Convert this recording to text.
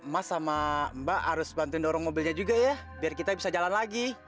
mas sama mbak harus bantuin dorong mobilnya juga ya biar kita bisa jalan lagi